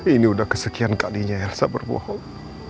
ini udah kesekian kalinya elsa berbohong